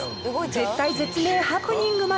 絶体絶命ハプニングまで。